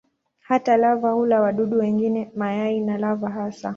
Hata lava hula wadudu wengine, mayai na lava hasa.